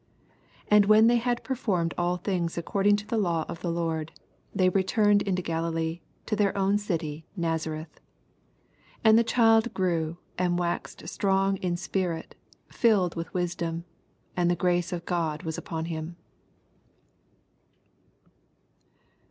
89 And when they had performed all thinffs acoording to the Law of the Lord, they returned into Galilee, to their own city Nazareth. 40 And the child grew, and waxed strong in spirit, filled with wisdom : and the grace of God was upon him.